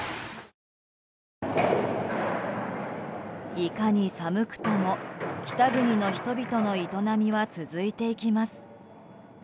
いかに寒くとも、北国の人々の営みは続いていきます。